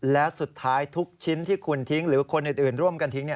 และสุดท้ายทุกชิ้นที่คุณทิ้งหรือคนอื่นร่วมกันทิ้ง